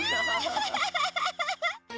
ハハハハハハ！